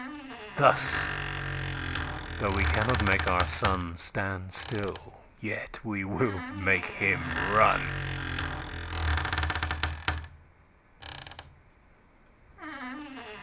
Thus, though we cannot make our SunStand still, yet we will make him run.